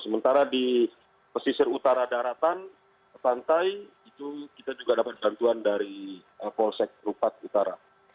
sementara di pesisir utara daratan pantai itu kita juga dapat bantuan dari polsek rupat utara